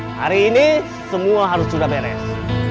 hari ini semua harus sudah beres